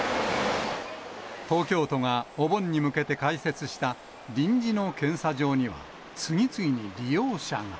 東京都がお盆に向けて開設した臨時の検査場には、次々に利用者が。